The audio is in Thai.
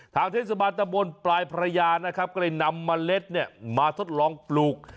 ทางเทศบรรยบุญปลายพระยานะครับก็เลยนำเมล็ดมาทดลองปลูก